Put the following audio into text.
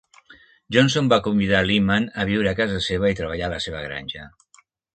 Johnson va convidar Lyman a viure a casa seva i treballar a la seva granja.